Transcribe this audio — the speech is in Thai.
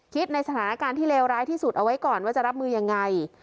ในสถานการณ์ที่เลวร้ายที่สุดเอาไว้ก่อนว่าจะรับมือยังไง